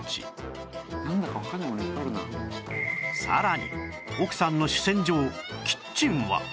さらに奥さんの主戦場キッチンは